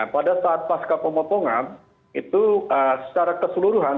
pada saat pasca pemotongan itu secara keseluruhan